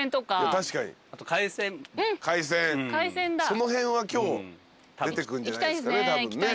その辺は今日出てくるんじゃないですかねたぶんね。